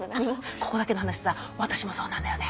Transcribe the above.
ここだけの話さ私もそうなんだよね。